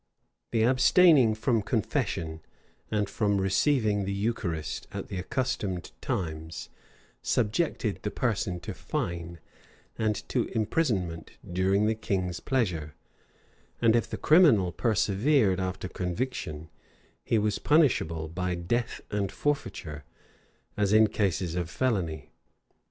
The abstaining from confession, and from receiving the eucharist at the accustomed times, subjected the person to fine, and to imprisonment during the king's pleasure; and if the criminal persevered after conviction, he was punishable by death and forfeiture, as in cases of felony.